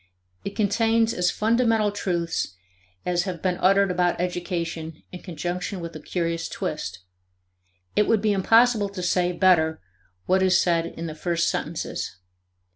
It contains as fundamental truths as have been uttered about education in conjunction with a curious twist. It would be impossible to say better what is said in the first sentences.